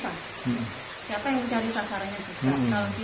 kalau kita kan bagian screening sama vaksinasi